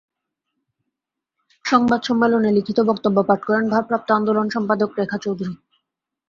সংবাদ সম্মেলনে লিখিত বক্তব্য পাঠ করেন ভারপ্রাপ্ত আন্দোলন সম্পাদক রেখা চৌধুরী।